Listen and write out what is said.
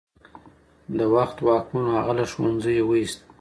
د وخت واکمنو هغه له ښوونځي ویست.